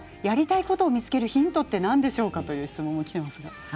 やりたいことを見つけるヒントって何でしょうかという質問も来てますが。